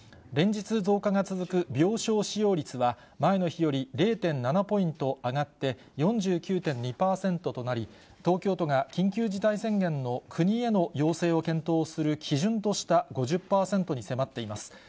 連日増加が続く病床使用率は、前の日より０．７ポイント上がって４９．２％となり、東京都が緊急事態宣言の国への要請を検討する基準とした５０％に迫っています。